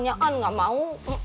ya kan gak mau